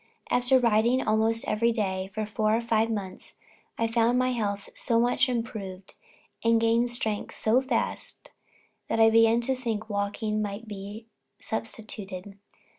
After riding almost every day, for four or five months, I found my health so much improved, and gained strength so fast, that I began to think walking might be substituted.